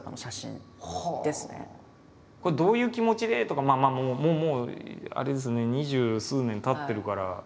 これどういう気持ちでとかまあまあもうあれですね二十数年たってるから。